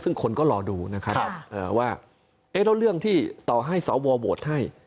ซึ่งคนก็รอดูนะครับว่าเอ๊ะแล้วเรื่องที่ต่อให้สวโหวตให้